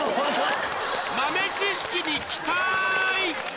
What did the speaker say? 豆知識に期待！